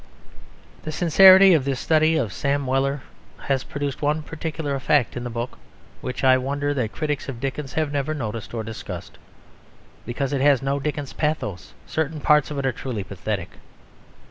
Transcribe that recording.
The sincerity of this study of Sam Weller has produced one particular effect in the book which I wonder that critics of Dickens have never noticed or discussed. Because it has no Dickens "pathos," certain parts of it are truly pathetic.